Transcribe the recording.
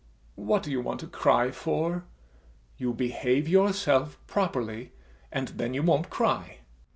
[Drinks champagne] What do you want to cry for? You behave yourself properly, and then you won't cry.